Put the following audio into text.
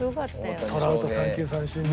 トラウト３球三振ね。